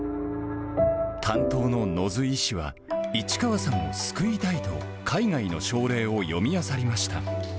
担当の野津医師は、市川さんを救いたいと、海外の症例を読みあさりました。